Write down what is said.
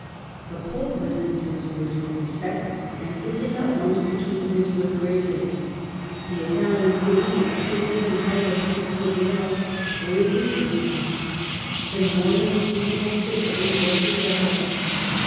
The pope listened to his words with respect, and did his utmost to keep in his good graces. The Italian cities and the princes who held the passes of the Alps were in league with him. The Norman kingdom of Sicily was his ally.